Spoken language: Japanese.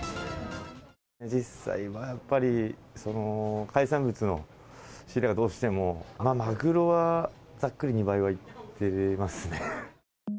実際はやっぱり、海産物の仕入れがどうしても、マグロはざっくり２倍はいってますね。